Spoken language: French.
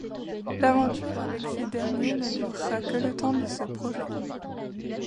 L'aventure avec ces derniers ne durera que le temps de ce projet.